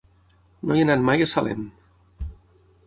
No he anat mai a Salem.